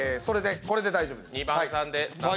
それでこれで大丈夫です